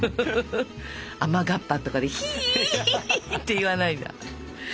雨がっぱとかでひーひーって言わないんだ。